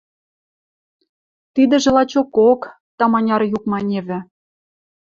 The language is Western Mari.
– Тидӹжӹ лачокок... – таманяр юк маневӹ.